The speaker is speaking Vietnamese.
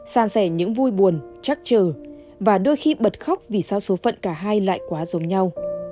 san sẻ những vui buồn chắc chờ và đôi khi bật khóc vì sao số phận cả hai lại quá dồn nhau